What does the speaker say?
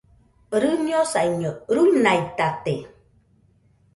Rɨñosaiño, ruinaitate.